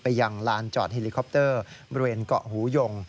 ยังลานจอดเฮลิคอปเตอร์บริเวณเกาะหูยง